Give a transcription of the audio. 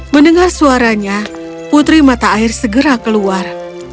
mendengar suaranya putri mata air segera keluar